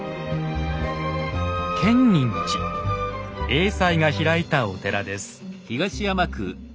栄西が開いたお寺です。